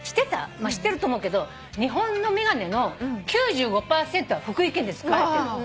まあ知ってると思うけど日本の眼鏡の９５％は福井県でつくられてる。